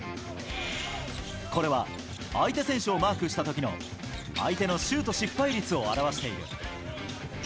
これは相手選手をマークしたときの、相手のシュート失敗率を表している。